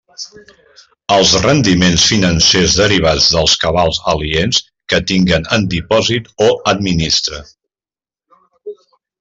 Els rendiments financers derivats dels cabals aliens que tinguen en depòsit o administre.